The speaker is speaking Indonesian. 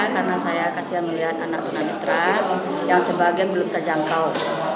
karena saya kasihan melihat anak tunanetra yang sebagian belum terjangkau